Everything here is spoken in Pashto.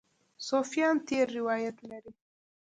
صوفیان تېر روایت لري.